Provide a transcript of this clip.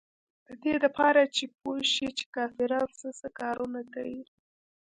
د دې دپاره چې پوې شي چې کافران سه سه کارونه کيي.